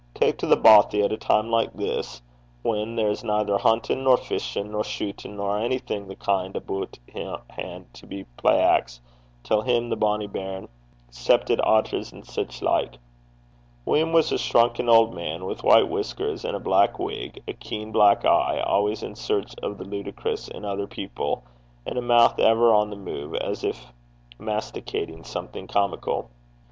tak' to The Bothie at a time like this, whan there's neither huntin', nor fishin', nor shutin', nor onything o' the kin' aboot han' to be playacks till him, the bonnie bairn 'cep' it be otters an' sic like?' William was a shrunken old man, with white whiskers and a black wig, a keen black eye, always in search of the ludicrous in other people, and a mouth ever on the move, as if masticating something comical.